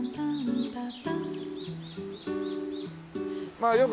まあよくね